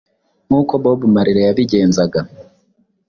nk’uko Bob Marley yabigenzaga.